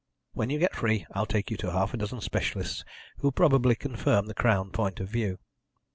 When you get free I'll take you to half a dozen specialists who'll probably confirm the Crown point of view."